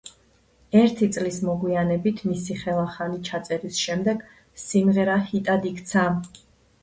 ერთი წლის მოგვიანებით, მისი ხელახალი ჩაწერის შემდეგ სიმღერა ჰიტად იქცა.